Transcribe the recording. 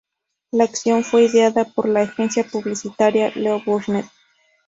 La acción fue ideada por la agencia publicitaria Leo Burnett.